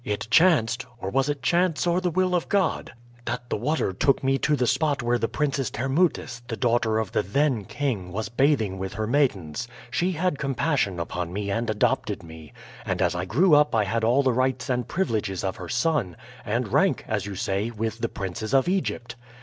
It chanced or was it chance or the will of God? that the water took me to the spot where the Princess Thermuthis, the daughter of the then king, was bathing with her maidens. She had compassion upon me and adopted me, and as I grew up I had all the rights and privileges of her son, and rank, as you say, with the princes of Egypt.